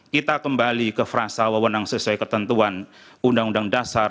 kita kembali ke frasa wewenang sesuai ketentuan undang undang dasar seribu sembilan ratus empat puluh lima